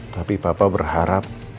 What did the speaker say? tapi papa berharap